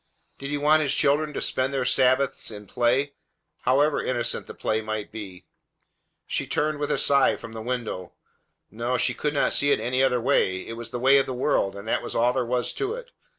Did He want His children to spend their Sabbaths in play, however innocent the play might be? She turned with a sigh away from the window. No, she could not see it any other way. It was the way of the world, and that was all there was to it.